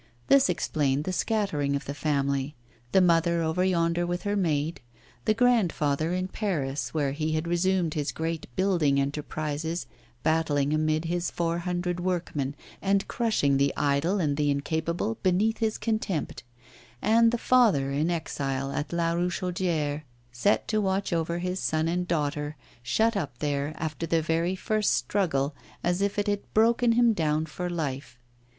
This explained the scattering of the family: the mother over yonder with her maid; the grandfather in Paris, where he had resumed his great building enterprises, battling amid his four hundred workmen, and crushing the idle and the incapable beneath his contempt; and the father in exile at La Richaudière, set to watch over his son and daughter, shut up there, after the very first struggle, as if it had broken him down for life.